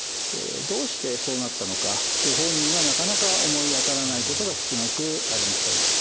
どうしてそうなったのかご本人はなかなか思い当たらないことが少なくありません。